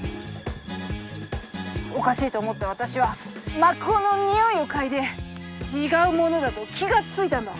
おかしいと思った私は抹香のにおいを嗅いで違うものだと気がついたんだ。